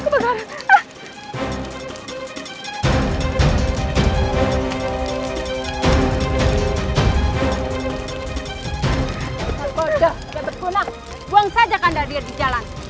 buang saja kandar dia di jalan